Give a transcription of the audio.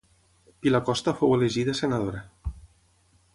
Pilar Costa fou elegida senadora.